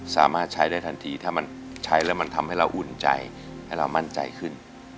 สามารถใช้ได้ทันทีถ้ามันใช้แล้วมันทำให้เราอุ่นใจให้เรามั่นใจขึ้น